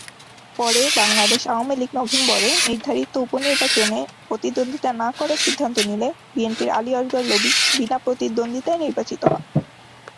পরে বাংলাদেশ আওয়ামী লীগ নভেম্বরে নির্ধারিত উপনির্বাচনে প্রতিদ্বন্দিতা না করার সিদ্ধান্ত নিলে বিএনপির আলী আসগর লবি বিনা প্রতিদ্বন্দ্বিতায় নির্বাচিত হন।